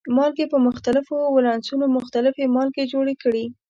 مالګې په مختلفو ولانسونو مختلفې مالګې جوړې کړي.